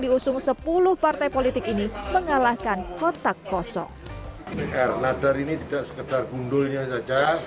diusung sepuluh partai politik ini mengalahkan kotak kosong pr ladar ini tidak sekedar gundulnya saja